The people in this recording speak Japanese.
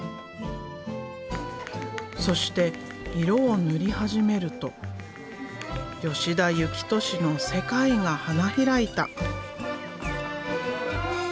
そして色を塗り始めると吉田幸敏の世界が花開いた。